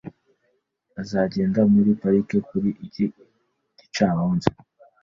Azagenda muri parike kuri iki gicamunsi.